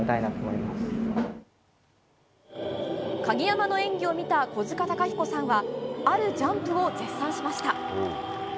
鍵山の演技を見た小塚崇彦さんはあるジャンプを絶賛しました。